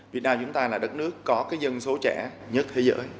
việt nam chúng ta là đất nước có dân số trẻ nhất thế giới